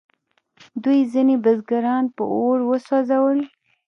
دوی ځینې بزګران په اور وسوځول.